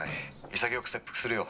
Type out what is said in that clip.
潔く切腹するよ」。